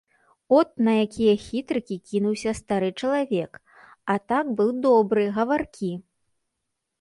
От на якія хітрыкі кінуўся стары чалавек, а так быў добры, гаваркі.